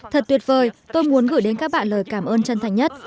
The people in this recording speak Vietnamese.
thật tuyệt vời tôi muốn gửi đến các bạn lời cảm ơn chân thành nhất